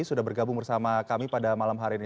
sudah bergabung bersama kami pada malam hari ini